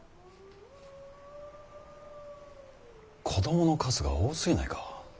子供の数が多すぎないか。